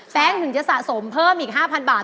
ถึงจะสะสมเพิ่มอีก๕๐๐บาท